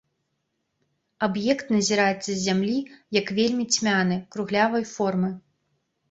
Аб'ект назіраецца з зямлі як вельмі цьмяны, круглявай формы.